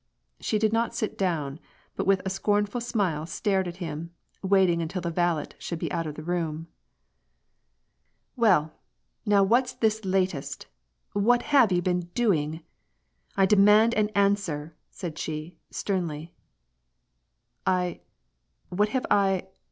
She did not sit down, but with a scornful smile stared at him, waiting until the valet should be out of the room. " Well, now what's this latest ? What have you been doing ? I demand an answer !" said she, sternly. "I — what have I —